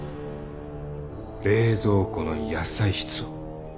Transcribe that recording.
冷蔵庫の野菜室を。